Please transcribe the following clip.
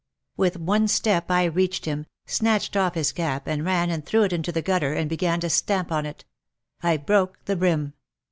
With one step I reached him, snatched off his cap and ran and threw it into the gutter and began to stamp on it. I broke the brim.